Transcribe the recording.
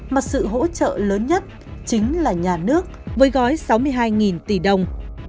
mà sự hỗ trợ lớn nhất chính là nhà nước với gói sáu mươi hai tỷ đồng